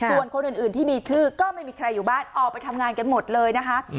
ส่วนคนอื่นที่มีชื่อก็ไม่มีใครอยู่บ้านออกไปทำงานกันหมดเลยนะคะ